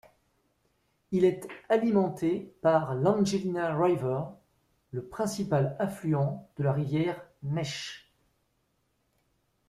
Il est alimenté par l'Angelina River, le principal affluent de la rivière Neches.